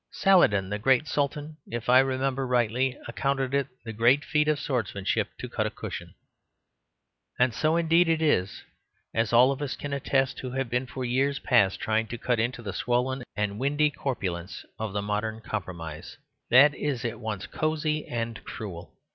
Saladin, the great Sultan, if I remember rightly, accounted it the greatest feat of swordsmanship to cut a cushion. And so indeed it is, as all of us can attest who have been for years past trying to cut into the swollen and windy corpulence of the modern compromise, that is at once cosy and cruel.